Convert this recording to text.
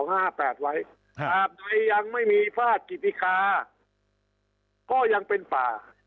หากใดยังไม่มีภาษกิจดิกาก็ยังเป็นป่า